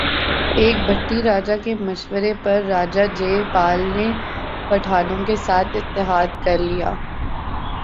ایک بھٹی راجہ کے مشورے پر راجہ جے پال نے پٹھانوں کے ساتھ اتحاد کر لیا